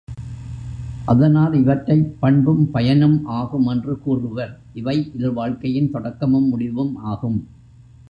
அதனால் இவற்றைப் பண்பும் பயனும் ஆகும் என்று கூறுவர் இவை இல்வாழ்க்கையின் தொடக்கமும் முடிவும் ஆகும்.